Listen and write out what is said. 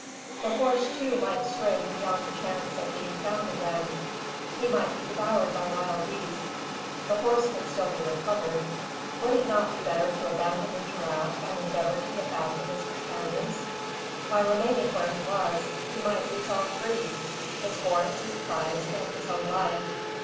The horse, too, might stray beyond the chance of being found again. He might be devoured by wild beasts. The horse could still be recovered. Would it not be better to abandon the giraffe and endeavour to get back to his companions? By remaining where he was, he might lose all three, his horse, his prize, and his own life.